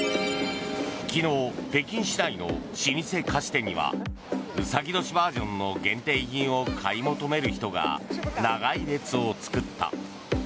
昨日、北京市内の老舗菓子店には卯年バージョンの限定品を買い求める人が長い列を作った。